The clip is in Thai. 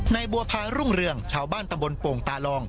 ในบัวพารุ่งเรืองชาวบ้านตำบลโป่งตาลอง